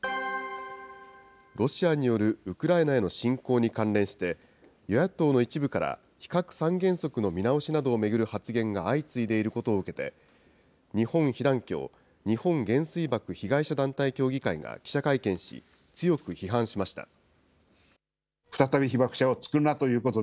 ロシアによるウクライナへの侵攻に関連して、与野党の一部から非核三原則の見直しなどを巡る発言が相次いでいることを受けて、日本被団協・日本原水爆被害者団体協議会が、記者会見し、強く批判しました。